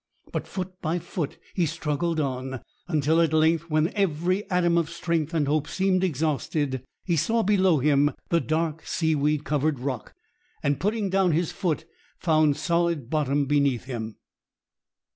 But foot by foot he struggled on, until at length, just when every atom of strength and hope seemed exhausted, he saw below him the dark, seaweed covered rock, and putting down his foot, found solid bottom beneath him.